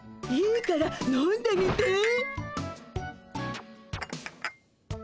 いいから飲んでみて。